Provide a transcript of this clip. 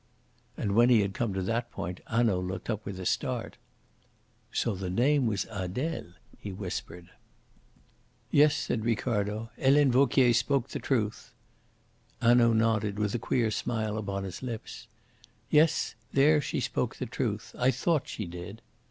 And when he had come to that point Hanaud looked up with a start. "So the name was Adele," he whispered. "Yes," said Ricardo. "Helene Vauquier spoke the truth." Hanaud nodded with a queer smile upon his lips. "Yes, there she spoke the truth. I thought she did."